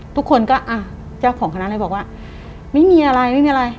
ทุกคนก็เจ้าของคณะเลยบอกว่าไม่มีอะไร